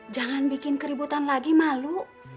jangan bikin keributan lagi malu